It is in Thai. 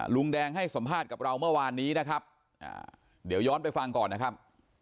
ลุงแดงให้สัมภาษณ์กับเราเมื่อวานนี้นะครับเดี๋ยวย้อนไปฟังก่อนนะครับ